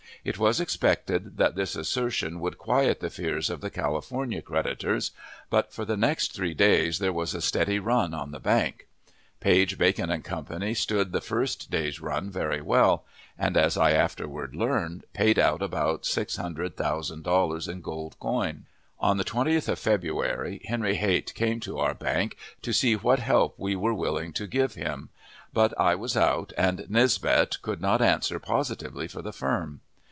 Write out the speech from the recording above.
It was expected that this assertion would quiet the fears of the California creditors, but for the next three days there was a steady "run" on that bank. Page, Bacon & Co. stood the first day's run very well, and, as I afterward learned, paid out about six hundred thousand dollars in gold coin. On the 20th of February Henry Height came to our bank, to see what help we were willing to give him; but I was out, and Nisbet could not answer positively for the firm.